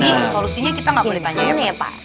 soalnya solusinya kita ga boleh tanya ya pak